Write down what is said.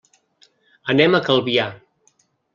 Anem a Calvià.